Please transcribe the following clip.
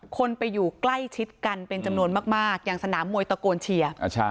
คนไปอยู่ใกล้ชิดกันเป็นจำนวนมากอย่างสนามมวยตะโกนเชียร์